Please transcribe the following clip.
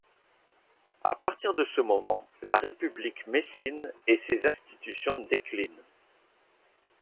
À partir de ce moment, la République messine et ses institutions déclinent.